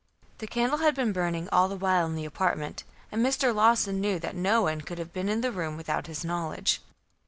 The candle had been burning all the while in the apartment, and Mr. Lawson knew that no one could have been in the room without his knowledge.